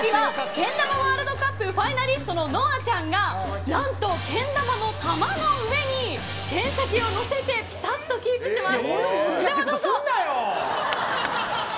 けん玉ワールドカップファイナリストのＮＯＷＡちゃんがけん玉の玉の上に剣先を乗せてぴたりとキープします。